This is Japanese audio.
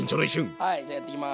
はいじゃやっていきます。